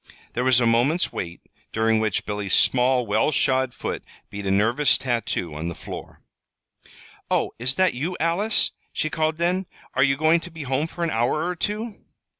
There was a moment's wait, during which Billy's small, well shod foot beat a nervous tattoo on the floor. "Oh, is that you, Alice?" she called then. "Are you going to be home for an hour or two?"